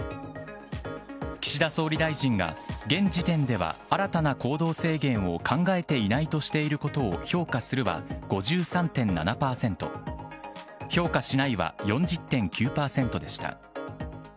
岸田総理大臣が現時点では新たな行動制限を考えていないとしていることを評価するは５３．７％、評価しないは４０．９％でした。